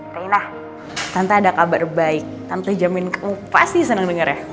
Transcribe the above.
reina tante ada kabar baik tante jamin kemu pasti seneng denger ya